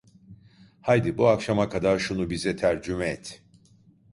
Haydi, bu akşama kadar şunu bize tercüme et!